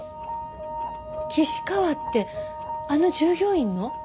岸川ってあの従業員の？